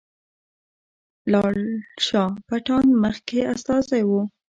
لال شاه پټان مخکې استازی وو.